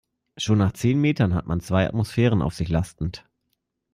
Schon nach zehn Metern hat man zwei Atmosphären auf sich lastend.